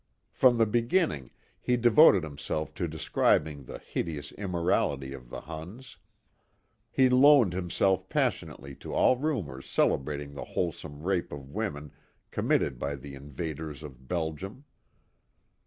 From the beginning he devoted himself to describing the hideous immorality of the Huns. He loaned himself passionately to all rumors celebrating the wholesale rape of women committed by the invaders of Belgium.